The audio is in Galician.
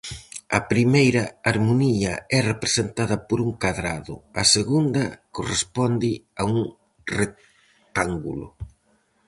A primeira harmonía é representada por un cadrado; a segunda corresponde a un rectángulo.